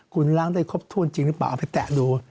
คุณล้างได้ครบถ้วนจริงหรือเปล่าเอาไปแตะดู